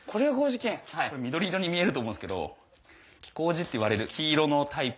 緑色に見えると思うんですけど黄麹っていわれる黄色のタイプ。